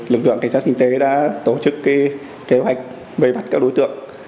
lực lượng cảnh sát kinh tế đã tổ chức kế hoạch vây bắt các đối tượng